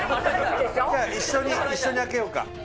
一緒に一緒に開けようか。